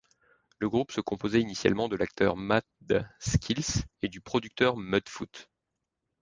Le groupe se composait initialement de l'acteur Mad Skillz et du producteur Mudfoot.